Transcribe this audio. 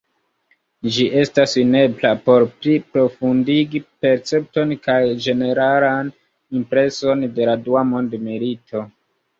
Ĝi estas nepra por pli profundigi percepton kaj ĝeneralan impreson de la dua mondmilito.